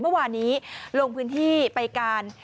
เมื่อวานนี้ลงพื้นที่ไปการ